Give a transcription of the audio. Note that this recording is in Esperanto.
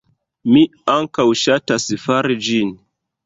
Mi ankaŭ ŝatas fari ĝin.